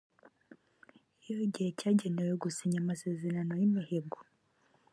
iyo igihe cyagenewe gusinya amasezerano y imihigo